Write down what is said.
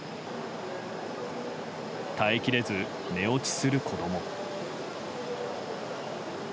耐え切れず、寝落ちする子供。